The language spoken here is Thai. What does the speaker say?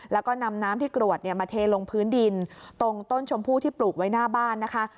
แล้วก็นำน้ำที่กรวดมาเทลงพื้นดินตรงต้นชมพู่ที่ปลูกไว้หน้าบ้านนะคะ